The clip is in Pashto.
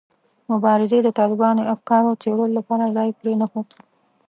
مبارزې د طالباني افکارو څېړلو لپاره ځای پرې نه ښود.